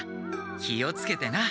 気をつけてな。